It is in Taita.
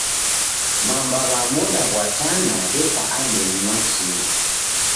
Mamba w'a moda ghwa Tana w'eka andenyi machinyi.